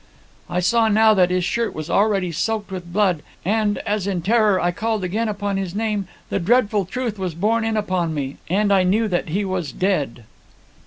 "I saw now that his shirt was already soaked with blood; and, as in terror I called again upon his name, the dreadful truth was borne in upon me, and I knew that he was dead."